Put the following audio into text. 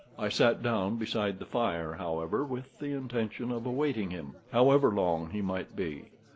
I sat down beside the fire, however, with the intention of awaiting him, however long he might be.